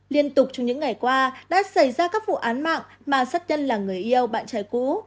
liên tục trong những ngày qua đã xảy ra các vụ án mạng mà sắc nhân là người yêu bạn trẻ cũ